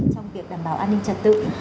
trong việc đảm bảo an ninh trật tự